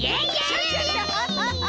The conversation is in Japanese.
クシャシャシャ！